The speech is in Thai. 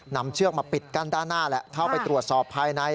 เชือกมาปิดกั้นด้านหน้าแหละเข้าไปตรวจสอบภายใน